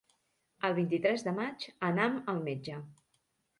El vint-i-tres de maig anam al metge.